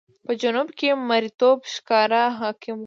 په جنوب کې مریتوب په ښکاره حاکم و.